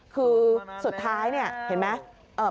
คือสุดท้ายเนี่ยเห็นไหม